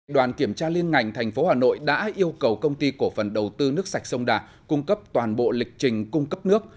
đoàn kiểm tra liên ngành tp hà nội đã yêu cầu công ty cổ phần đầu tư nước sạch sông đà cung cấp toàn bộ lịch trình cung cấp nước